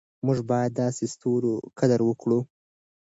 موږ باید د داسې ستورو قدر وکړو.